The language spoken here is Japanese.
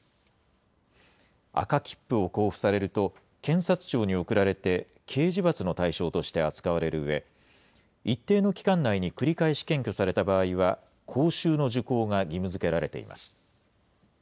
赤切符を交付されると、検察庁に送られて、刑事罰の対象として扱われるうえ、一定の期間内に繰り返し検挙された場合は、講習の受講が義務づけられています。